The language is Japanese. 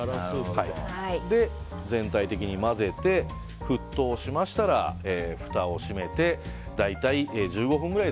全体的に混ぜて沸騰しましたらふたを閉めて、大体１５分くらい